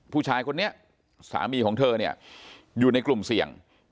ผู้ชายคนนี้สามีของเธอเนี่ยอยู่ในกลุ่มเสี่ยง